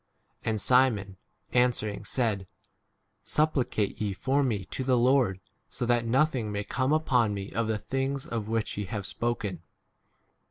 And Simon answering said, Supplicate ye for me to the Lord, so that nothing may come upon me of the things of which ye have spoken.